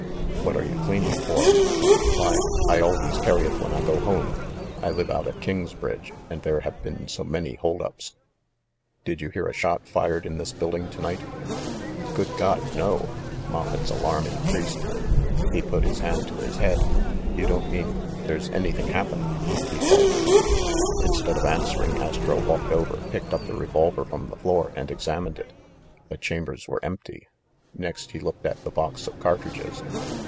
"What were you cleaning it for?" "Why — I always carry it when I go home. I live out at Kingsbridge, and there have been so many hold ups—" "Did you hear a shot fired in this building to night ?" "Good God, no !" Moffett's alarm increased. He put his hand to his head. "You don't mean — there's any thing happened ?" he faltered. Instead of answering, Astro walked over, picked up the revolver from the floor, and examined it. The chambers were empty. Next, he looked at the box of cartridges.